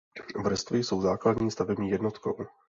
Vrstvy jsou základní stavební jednotkou.